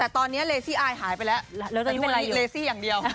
แต่ตอนนี้เลซี่อายหายไปแล้วแต่ทุกวันนี้เลซี่อย่างเดียว